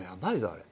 あれ。